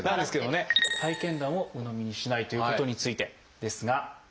「体験談をうのみにしない」ということについてですが。